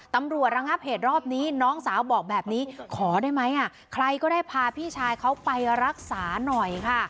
ระงับเหตุรอบนี้น้องสาวบอกแบบนี้ขอได้ไหมใครก็ได้พาพี่ชายเขาไปรักษาหน่อยค่ะ